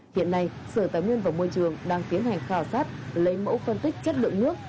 hiện nay sở tài nguyên và môi trường đang tiến hành khảo sát lấy mẫu phân tích chất lượng nước